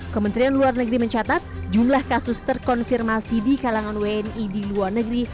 kementerian luar negeri mencatat jumlah kasus terkonfirmasi di kalangan wni di luar negeri